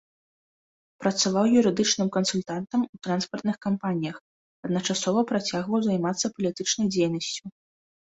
Працаваў юрыдычным кансультантам у транспартных кампаніях, адначасова працягваў займацца палітычнай дзейнасцю.